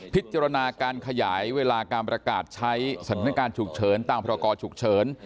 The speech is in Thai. พิจารณาการขยายเวลาการประกาศใช้สถานการณ์ฉุกเฉินตามพรกรฉุกเฉิน